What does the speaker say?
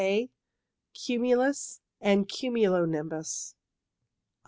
(a) Cumulus and cumulo nimbus.